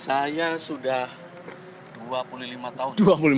saya sudah dua puluh lima tahun